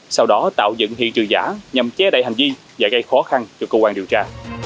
sau đó tạo dựng hiện trừ giả nhằm che đậy hành vi và gây khó khăn cho cơ quan điều tra